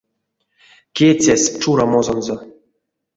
Кецясь чурамозонзо.